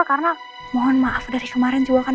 karena mohon maaf dari kemarin juga kan